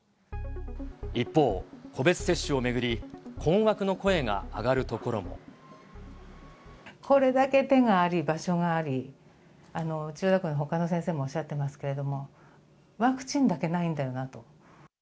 一方、個別接種を巡り、これだけ手があり場所があり、千代田区のほかの先生もおっしゃってますけれども、ワクチンだけないんだよなと。